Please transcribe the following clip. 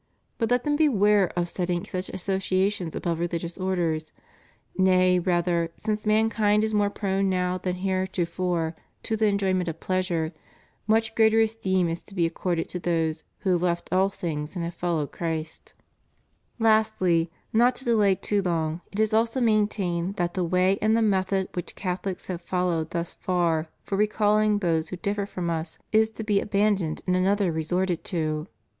But let them beware of setting such association above religious orders ; nay rather, since mankind is more prone now than heretofore to the enjoyment of pleasure, much greater esteem is to be accorded to those who have left all things and have followed Christ. Lastly, not to delay too long, it is also maintained that the way and the method which Catholics have followed thus far for recaUing those who differ from us is to be aban doned and another resorted to.